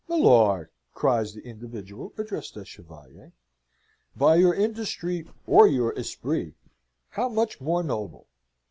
"Milor!" cries the individual addressed as Chevalier. "By your industry or your esprit, how much more noble!